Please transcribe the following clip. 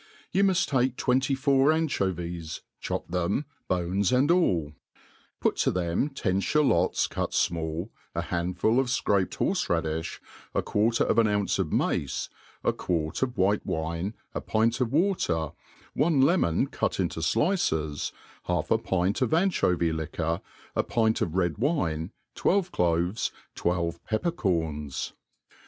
YOU muft take twenty four anchovies, chop them, bones and all ; put to them ten ihalots cut fmall, a handful of fcraped horfe raddi(b, a quarter of an ounce of mace, a quart of whice wine, a pint of water, one lemon cut into flrces^ half a pint of anchovy liquor, a pint of red wine, twelve cloves, twelve pepper scorns.